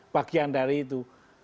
bagian dari itu